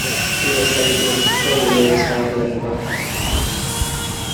He was sentenced to thirty years hard labor.